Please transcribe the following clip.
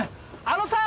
あのさ